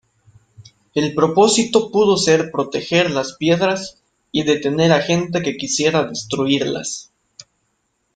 El propósito pudo ser proteger las piedras y detener a gente que quisiera destruirlas.